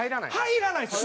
入らないんですよ。